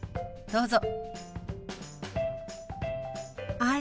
どうぞ。